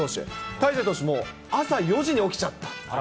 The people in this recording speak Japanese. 大勢投手も朝４時に起きちゃった。